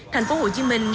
thành phố hồ chí minh